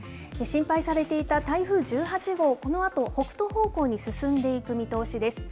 心配されていた台風１８号、このあと北東方向に進んでいく見通しです。